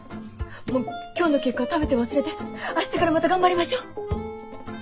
もう今日の結果は食べて忘れて明日からまた頑張りましょう。